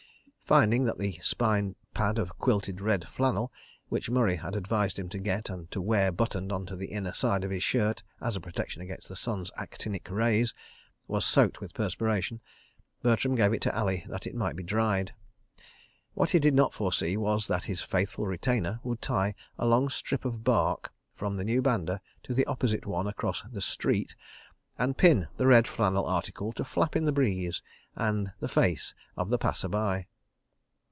... Finding that the spine pad of quilted red flannel—which Murray had advised him to get and to wear buttoned on to the inner side of his shirt, as a protection against the sun's actinic rays—was soaked with perspiration, Bertram gave it to Ali that it might be dried. What he did not foresee was that his faithful retainer would tie a long strip of bark from the new banda to the opposite one across the "street," and pin the red flannel article to flap in the breeze and the face of the passer by.